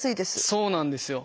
そうなんですよ。